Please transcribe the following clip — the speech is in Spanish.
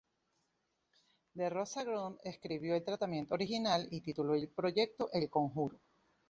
DeRosa-Grund escribió el tratamiento original y tituló el proyecto 'El Conjuro'.